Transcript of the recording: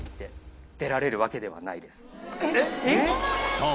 そう！